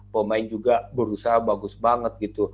pemain juga berusaha bagus banget gitu